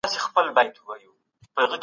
ته باید خپله غوښتنه معلومه کړې.